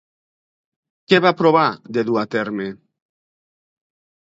Què va provar de dur a terme?